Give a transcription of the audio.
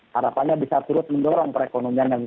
harapannya bisa terus mendorong perekonomian